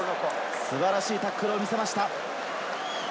素晴らしいタックルを見せました。